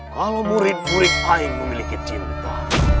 kalau murid murid ain memiliki cinta